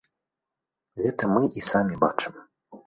Гэта мы і самі бачым.